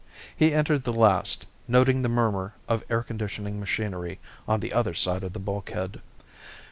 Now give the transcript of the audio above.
He entered the last, noting the murmur of air conditioning machinery on the other side of the bulkhead.